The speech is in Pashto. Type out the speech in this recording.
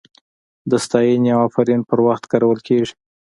د ستاینې او افرین پر وخت کارول کیږي.